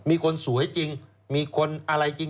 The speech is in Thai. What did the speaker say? มีคนสวยจริงมีคนอะไรจริง